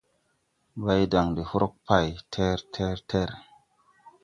Mbaydan de hrog pay ter! Ter! ter!